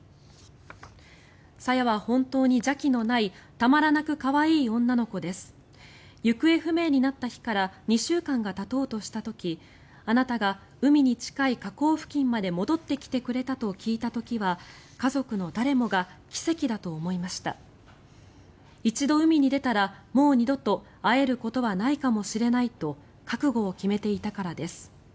朝芽は本当に邪気のないたまらない可愛い女の子です行方不明になった日から２週間がたとうとした時あなたが海に近い河口付近まで戻ってきてくれたと聞いた時は家族の誰もが奇跡だと思いました一度海に出たらもう二度と会えることはないかもしれないと覚悟を決めていたからです。